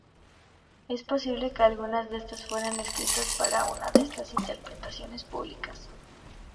Es posible que algunas de estas fueran escritas para una de estas interpretaciones públicas.